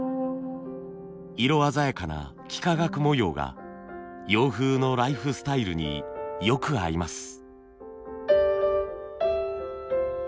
色鮮やかな幾何学模様が洋風のライフスタイルによく合います。